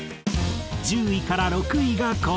１０位から６位がこちら。